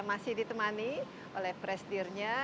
masih ditemani oleh presidirnya